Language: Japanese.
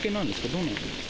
どうなんですか？